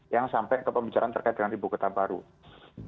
yang sampai ke pembicaraan terkait dengan ibu ketua umum